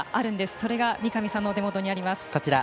それが三上さんのお手元にあります。